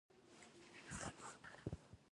آیا د پښتنو په کلتور کې ملي اتن د یووالي نښه نه ده؟